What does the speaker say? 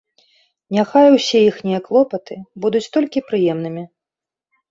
Няхай усе іхнія клопаты будуць толькі прыемнымі.